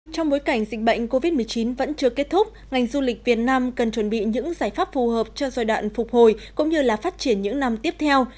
trong bối cảnh dịch bệnh covid một mươi chín vẫn chưa kết thúc ngành du lịch việt nam cần chuẩn bị những giải pháp phù hợp cho giai đoạn phục hồi cũng như là phát triển những năm tiếp theo